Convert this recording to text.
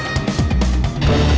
lo sudah bisa berhenti